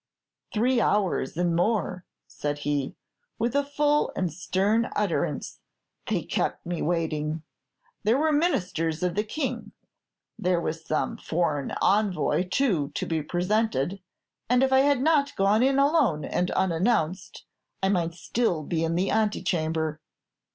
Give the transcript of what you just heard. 'Three hours and more,' said he, with a full and stern utterance, 'they kept me waiting. There were Ministers with the King; there was some foreign envoy, too, to be presented; and if I had not gone in alone and unannounced, I might still be in the ante chamber.